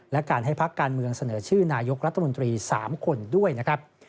และการให้พักการเมืองเสนอชื่อนายกรัฐมนตรี๓คนด้วยนะครับ